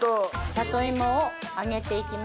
里芋を揚げていきます。